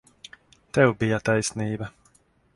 Tev bija taisnība.